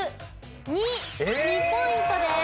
２ポイントです。